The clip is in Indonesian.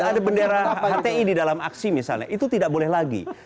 ada bendera hti di dalam aksi misalnya itu tidak boleh lagi